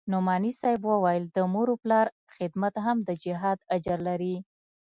نعماني صاحب وويل د مور و پلار خدمت هم د جهاد اجر لري.